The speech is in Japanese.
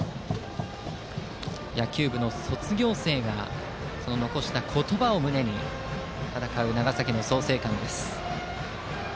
野球部の卒業生が残した言葉を胸に戦っている長崎・創成館。